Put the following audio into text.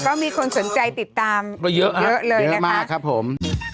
ก็มีคนสนใจติดตามก็เยอะเลยเยอะมากครับผม